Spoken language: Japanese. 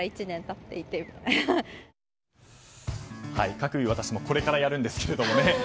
かくいう私もこれからやるんですけどね。